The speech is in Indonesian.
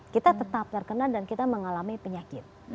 kita tetap terkena dan kita mengalami penyakit